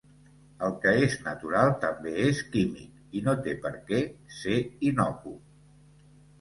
El que és natural també és químic i no té per què ser innocu.